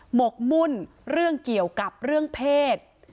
หกมุ่นเรื่องเกี่ยวกับเรื่องเพศ